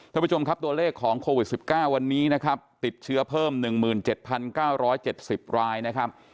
ท่านผู้ชมครับตัวเลขของโควิดสิบเก้าวันนี้นะครับติดเชื้อเพิ่มหนึ่งหมื่นเจ็ดพันเก้าร้อยเจ็ดสิบรายนะครับ